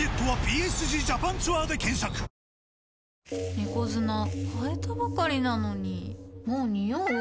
猫砂替えたばかりなのにもうニオう？